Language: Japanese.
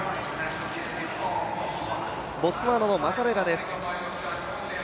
ボツワナのマサレラです。